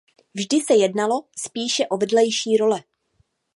Vždy se jednalo spíše o vedlejší role.